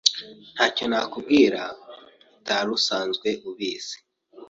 Ntacyo nakubwira utari usanzwe ubizi.